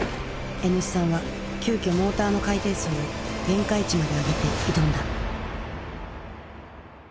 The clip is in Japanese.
Ｎ産は急きょモーターの回転数を限界値まで上げて挑んだ。